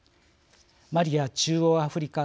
マリや中央アフリカ